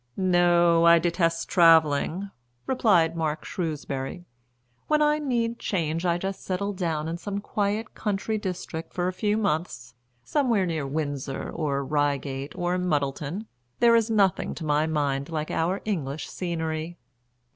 "No, I detest travelling," replied Mark Shrewsbury. "When I need change I just settle down in some quiet country district for a few months somewhere near Windsor, or Reigate, or Muddleton. There is nothing to my mind like our English scenery."